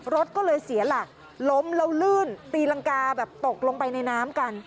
รถก็เลยเสียหลักล้มแล้วลื่นตีรังกาแบบตกลงไปในน้ำกัน